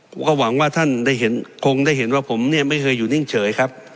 ผมก็หวังว่าท่านได้เห็นคงได้เห็นว่าผมเนี่ยไม่เคยอยู่นิ่งเฉยครับ